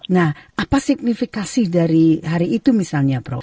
nah apa signifikasi dari hari itu misalnya prof